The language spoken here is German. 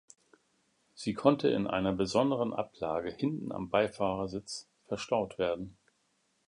Sie konnte in einer besonderen Ablage hinten am Beifahrersitz verstaut werden.